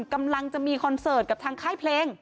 กำลังจะมีคอนเสิร์ตกับทางค่ายเพลง